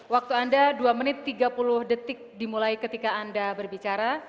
waktu anda dua menit tiga puluh detik dimulai ketika anda berbicara